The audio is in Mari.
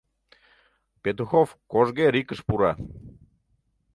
Петухов кожге рикыш пура: